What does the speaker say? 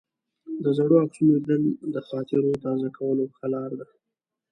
د زړو عکسونو لیدل د خاطرو تازه کولو ښه لار ده.